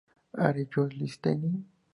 Are You Listening?